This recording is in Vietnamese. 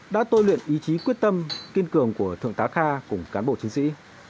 đã tôi luyện ý chí quyết tâm kiên cường của thượng tá kha cùng cán bộ chiến sĩ